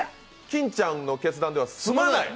金ちゃんの決断では住まない。